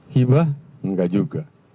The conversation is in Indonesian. hibah enggak juga